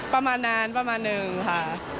ประมาณนั้นประมาณหนึ่งค่ะ